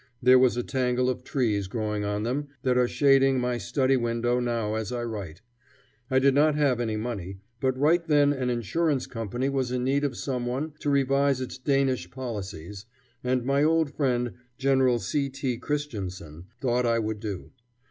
There was a tangle of trees growing on them that are shading my study window now as I write. I did not have any money, but right then an insurance company was in need of some one to revise its Danish policies, and my old friend General C. T. Christensen thought I would do.